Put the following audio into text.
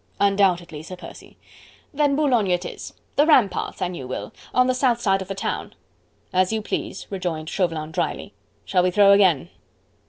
"Undoubtedly, Sir Percy." "Then Boulogne it is... the ramparts, an you will, on the south side of the town." "As you please," rejoined Chauvelin drily. "Shall we throw again?"